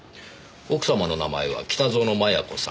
奥様の名前は北薗摩耶子さん。